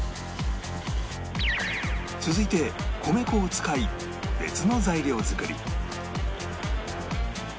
続いて米粉を使い別の材料作り